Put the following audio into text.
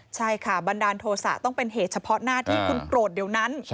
ใช่ค่ะบันดาลโทษะต้องเป็นเหตุเฉพาะหน้าที่คุณโกรธเดี๋ยวนั้น